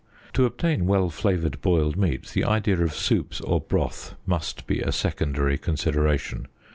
To obtain well flavoured boiled meat the idea of soups or broth must be a secondary consideration.